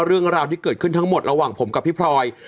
เรื่องราวที่เกิดขึ้นทั้งหมดระหว่างผมกับพี่พลอย